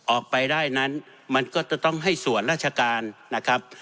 ออกไปได้นั้นมันก็จะต้องให้ส่วนราชการนะครับ